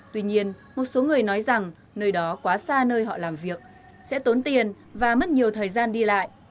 tuy nhiên một số người nói rằng nơi đó quá xa nơi họ làm việc sẽ tốn tiền và mất nhiều thời gian đi lại